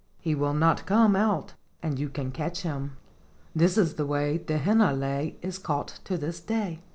He will not come out, and you can catch him." This is the way the Hinalea is caught to this day.